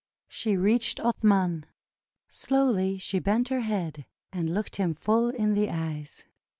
She reached Athman. Slowly she bent her head and looked him full in the eyes.